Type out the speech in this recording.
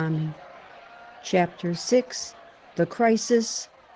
204 CHAPTER VI. THE CRISIS.